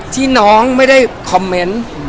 ที่น้องไม่ได้คอมเมนต์